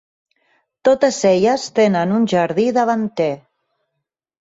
Totes elles tenen un jardí davanter.